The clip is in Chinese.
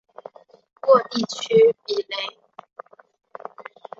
沃地区比雷。